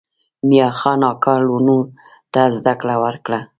میاخان اکا لوڼو ته زده کړه ورکړه.